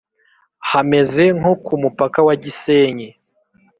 Hameze nko ku mupaka wa Gisenyi